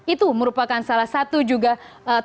itu merupakan salah satu juga terjadi